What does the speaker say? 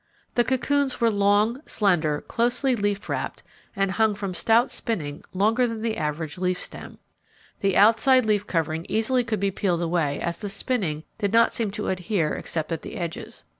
The cocoons were long, slender, closely leaf wrapped and hung from stout spinning longer than the average leaf stem. The outside leaf covering easily could be peeled away as the spinning did not seem to adhere except at the edges.